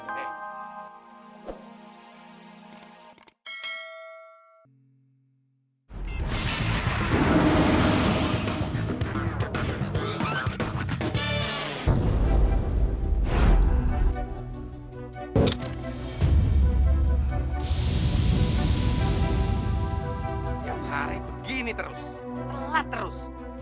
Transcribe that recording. setiap hari begini terus telat terus